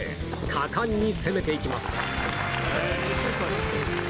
果敢に攻めていきます。